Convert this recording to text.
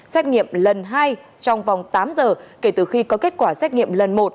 xét nghiệm lần hai trong vòng tám giờ kể từ khi có kết quả xét nghiệm lần một